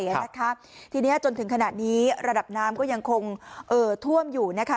นะคะทีนี้จนถึงขณะนี้ระดับน้ำก็ยังคงเอ่อท่วมอยู่นะคะ